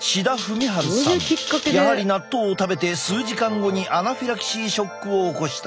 やはり納豆を食べて数時間後にアナフィラキシーショックを起こした。